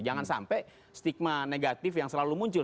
jangan sampai stigma negatif yang selalu muncul